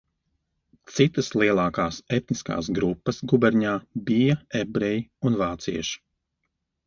Citas lielākās etniskās grupas guberņā bija ebreji un vācieši.